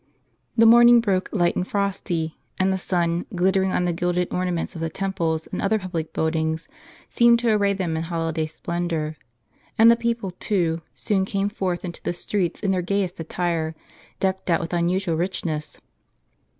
HE morning broke light and frosty; and the sun, glittering on the gilded ornaments of the temples and other public buildings, seemed to array them in holiday splendor. And the people, too, soon came forth into the streets in their gayest attire, decked out with unusual richness.